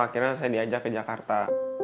akhirnya saya diajak ke jakarta